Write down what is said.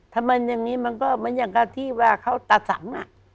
ถ้ามันอย่างนี้มันก็เหมือนกับที่ว่าเขาตาสังอ่ะ